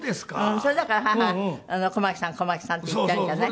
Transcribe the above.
それだから母は「小巻さん小巻さん」って言ったんじゃない。